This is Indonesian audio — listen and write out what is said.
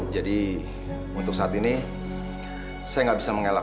jadi untuk saat ini saya gak bisa mengelak